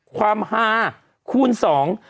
ความฮาคูณสอง